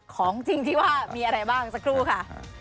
ของจริงที่ว่ามีอะไรบ้างสักครู่ค่ะ